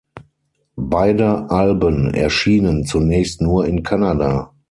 Beide Alben erschienen zunächst nur in Kanada.